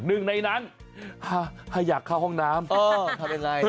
หนึ่งในนั้นหยักเข้าห้องน้ำเออทำเป็นไร